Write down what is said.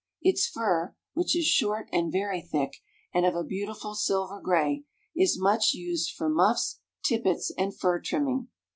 Its fur, which is short and very thick, and of a beautiful silver gray, is much used for muffs, tippets, and fur trimming.